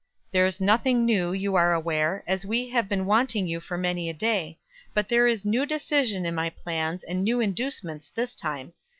That is nothing new, you are aware, as we have been wanting you for many a day. But there is new decision in my plans, and new inducements, this time.